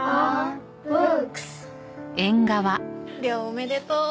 亮おめでとう。